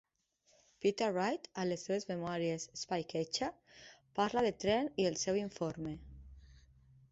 Peter Wright, a les seves memòries, "Spycatcher", parla de Trend i el seu informe.